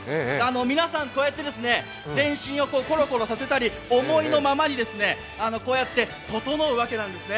皆さん、こうやって全身をコロコロさせたり思いのままにこうやって整うわけなんですね。